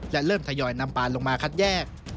เริ่มทยอยนำปานลงมาคัดแยก